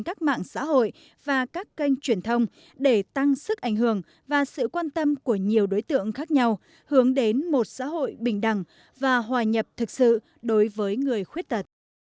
các mạng xã hội và các kênh truyền thông để tăng sức ảnh hưởng và sự quan tâm của nhiều đối tượng khác nhau hướng đến một xã hội bình đẳng và hòa nhập thực sự đối với người khuyết tật